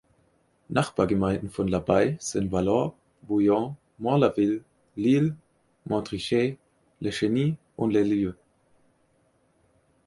Nachbargemeinden von L’Abbaye sind Vallorbe, Vaulion, Mont-la-Ville, L’Isle, Montricher, Le Chenit und Le Lieu.